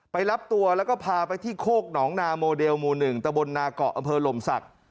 รับตัวแล้วก็พาไปที่โคกหนองนาโมเดลหมู่๑ตะบนนาเกาะอำเภอหลมศักดิ์